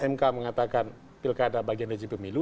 mk mengatakan pilkada bagian dari pemilu